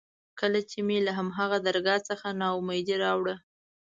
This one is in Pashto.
کله چې مې له هماغه درګاه څخه نا اميدي راوړه.